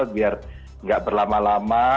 biar nggak berlama lama